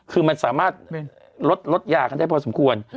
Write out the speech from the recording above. คือมันสามารถลดยากันได้พอสมควร